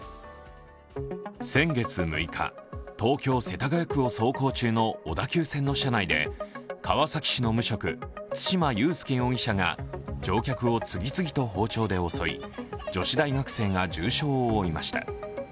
先月６日、東京・世田谷区を走行中の小田急線の車内で川崎市の無職、対馬悠介容疑者が乗客を次々と包丁で襲い女子大学生が重傷を負いました。